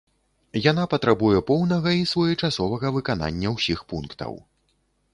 Яна патрабуе поўнага і своечасовага выканання ўсіх пунктаў.